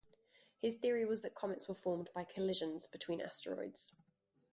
His theory was that comets were formed by collisions between asteroids.